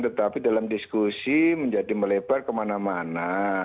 tetapi dalam diskusi menjadi melebar kemana mana